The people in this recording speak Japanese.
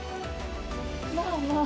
まあまあ。